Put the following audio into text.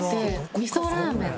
みそラーメンで。